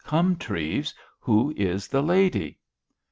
"Come, Treves, who is the lady?"